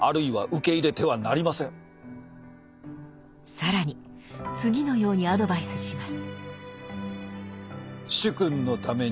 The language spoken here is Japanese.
更に次のようにアドバイスします。